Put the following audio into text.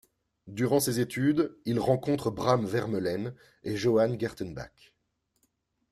Durant ses études, il rencontre Bram Vermeulen et Johan Gertenbach.